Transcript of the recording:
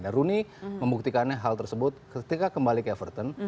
dan rooney membuktikannya hal tersebut ketika kembali ke everton